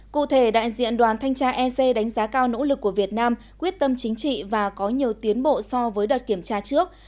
cụ thể đại diện đoàn thanh tra ec đánh giá cao nỗ lực của việt nam quyết tâm chính trị và có nhiều tiến bộ so với đợt kiểm tra trước